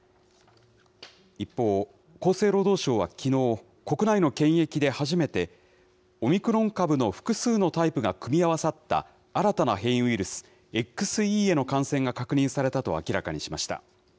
一方、厚生労働省はきのう、国内の検疫で初めて、オミクロン株の複数のタイプが組み合わさった新たな変異ウイルス、ＸＥへの感染が確認されたと明らかにしました。